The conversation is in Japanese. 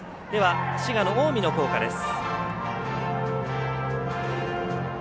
滋賀の近江の校歌です。